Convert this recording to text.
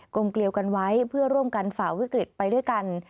ลมเกลียวกันไว้เพื่อร่วมกันฝ่าวิกฤตไปด้วยกัน